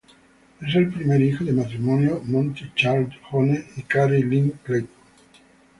Es el primer hijo del matrimonio de Monty Charles Jones y Carey Lynn Claypool.